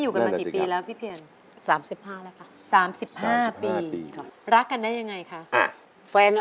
ดูกันมากี่ปีแล้วพี่เพียรสามสิบห้าแล้วค่ะสามสิบห้าปีรักกันได้ยังไงค่ะ